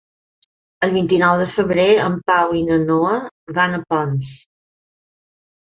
El vint-i-nou de febrer en Pau i na Noa van a Ponts.